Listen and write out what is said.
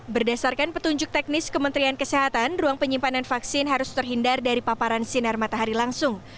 berdasarkan petunjuk teknis kementerian kesehatan ruang penyimpanan vaksin harus terhindar dari paparan sinar matahari langsung